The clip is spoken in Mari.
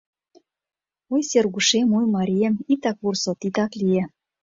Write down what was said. — Ой, Сергушем, ой, марием, итак вурсо, титак лие.